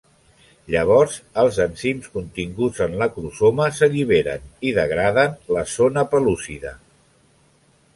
Llavors els enzims continguts en l'acrosoma s'alliberen i degraden la zona pel·lúcida.